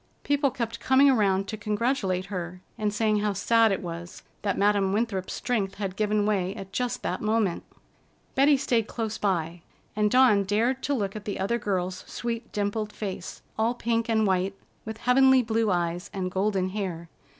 People kept coming around to congratulate her, and saying how sad it was that Madam Winthrop's strength had given way at just that moment. Betty stayed close by, and Dawn dared to look at the other girl's sweet dimpled face, all pink and white, with heavenly blue eyes and golden hair.